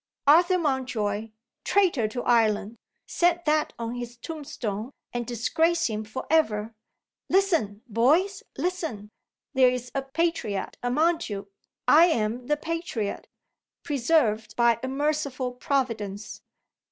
Arthur Mountjoy, traitor to Ireland. Set that on his tombstone, and disgrace him for ever. Listen, boys listen! There is a patriot among you. I am the patriot preserved by a merciful Providence.